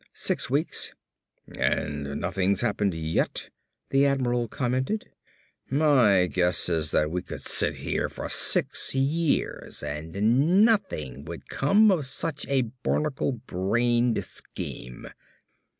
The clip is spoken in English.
"Six weeks." "And nothing's happened yet," the admiral commented. "My guess is that we could sit here for six years and nothing would come of such a barnacle brained scheme."